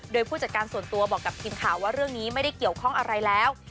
โดยผู้จัดการส่วนตัวบอกกับทีมข่าวว่าเรื่องนี้ไม่ได้เกี่ยวข้องอะไรแล้ว